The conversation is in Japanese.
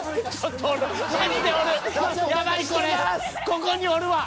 ここにおるわ。